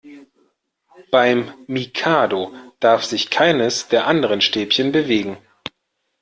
Beim Mikado darf sich keines der anderen Stäbchen bewegen.